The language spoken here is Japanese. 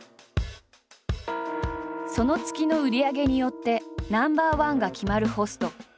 その月の売り上げによってナンバーワンが決まるホスト。